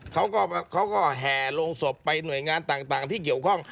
เขาก็เขาก็แห่ลงศพไปหน่วยงานต่างที่เกี่ยวข้อง